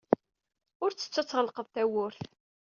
Ur ttettu ad tɣelqed tawwurt.